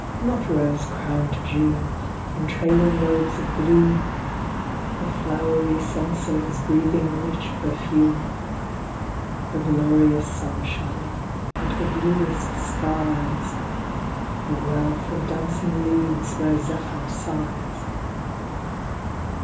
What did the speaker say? Not rose crowned June, in trailing robes of bloom, Her flowery censers breathing rich perfume. Her glorious sunshine, and her bluest skies. Her wealth of dancing leaves where zei)hyr sighs.